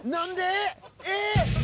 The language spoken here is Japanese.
えっ⁉